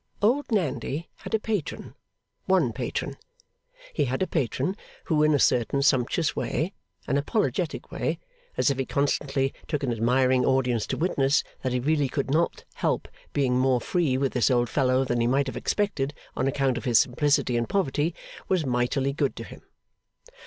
Old Nandy had a patron: one patron. He had a patron who in a certain sumptuous way an apologetic way, as if he constantly took an admiring audience to witness that he really could not help being more free with this old fellow than they might have expected, on account of his simplicity and poverty was mightily good to him.